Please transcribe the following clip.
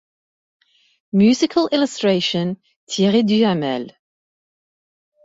Musical illustration: Thierry Duhamel.